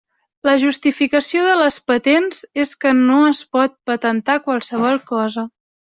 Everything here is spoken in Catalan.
La justificació de les patents és que no es pot patentar qualsevol cosa.